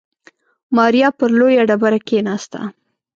ماريا پر لويه ډبره کېناسته.